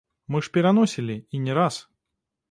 Мы ж пераносілі, і не раз.